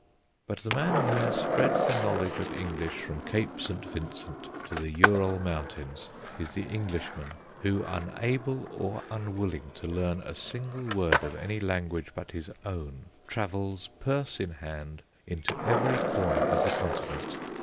But the man who has spread the knowledge of English from Cape St. Vincent to the Ural Mountains is the Englishman who, unable or unwilling to learn a single word of any language but his own, travels purse in hand into every corner of the Continent.